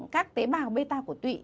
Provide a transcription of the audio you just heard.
các tế bào bê ta của tụy